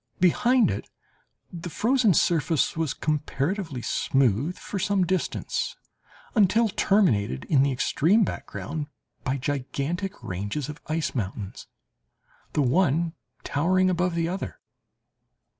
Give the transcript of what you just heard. Behind it the frozen surface was comparatively smooth for some distance, until terminated in the extreme background by gigantic ranges of ice mountains, the one towering above the other.